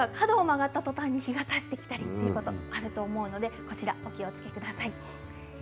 なにか角を曲がったとたんに、日がさしてきたりということがあると思うのでお気をつけください。